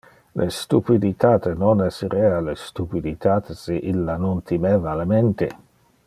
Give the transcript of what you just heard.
Le stupiditate non esserea le stupiditate si illa non timeva le mente.